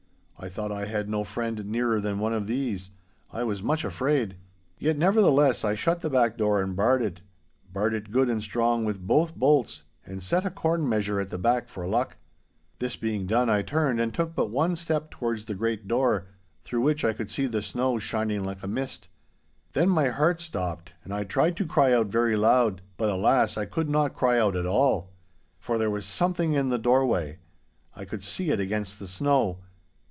I thought I had no friend nearer than one of these. I was much afraid. 'Yet nevertheless I shut the back door and barred it—barred it good and strong with both bolts, and set a corn measure at the back for luck. This being done, I turned and took but one step towards the great door, through which I could see the snow shining like a mist. Then my heart stopped, and I tried to cry out very loud, but, alas! I could not cry out at all. 'For there was Something in the doorway. I could see it against the snow.